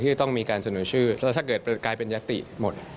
จะต้องมีการเสนอชื่อแล้วถ้าเกิดกลายเป็นยติหมด